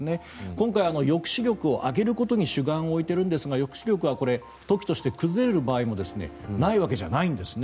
今回、抑止力を上げることに主眼を置いているんですが抑止力は時として崩れる場合もなくはないんですね。